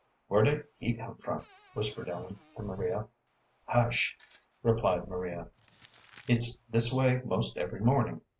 "Where did he come from?" whispered Ellen to Maria. "Hush," replied Maria; "it's this way 'most every morning.